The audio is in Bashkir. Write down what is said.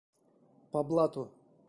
По блату.